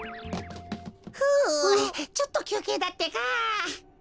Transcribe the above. ふうちょっときゅうけいだってか。